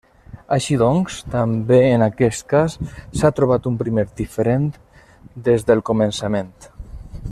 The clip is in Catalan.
Així doncs, també en aquest cas s'ha trobat un primer diferent dels del començament.